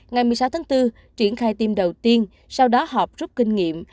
ngày một mươi sáu tháng bốn triển khai tiêm đầu tiên sau đó họp rút kinh nghiệm